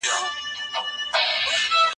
الله تعالی د ذوالقرنين قصه راته کړې ده.